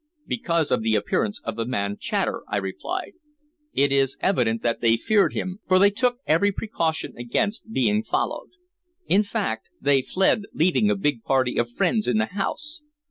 "Because of the appearance of the man Chater," I replied. "It is evident that they feared him, for they took every precaution against being followed. In fact, they fled leaving a big party of friends in the house.